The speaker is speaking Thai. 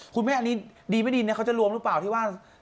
คุณแม่อันนี้ดีไม่ดีเนี่ยเขาจะรวมหรือเปล่าที่ว่า